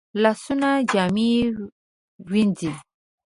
لاسونه جامې وینځي